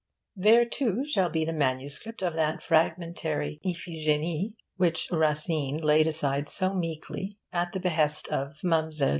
There too shall be the MS. of that fragmentary 'Iphige'nie' which Racine laid aside so meekly at the behest of Mlle.